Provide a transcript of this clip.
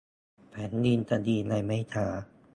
แผ่นดินจะดีในไม่ช้า